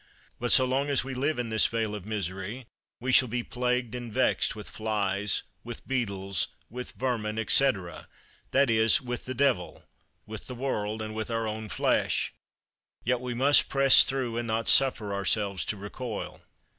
But so long as we live in this vale of misery, we shall be plagued and vexed with flies, with beetles, and with vermin, etc., that is, with the devil, with the world, and with our own flesh; yet we must press through, and not suffer ourselves to recoil.